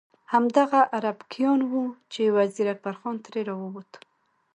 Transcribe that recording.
همدغه اربکیان وو چې وزیر اکبر خان ترې راووت.